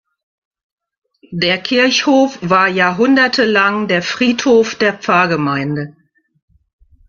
Der Kirchhof war jahrhundertelang der Friedhof der Pfarrgemeinde.